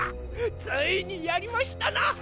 ついにやりましたな！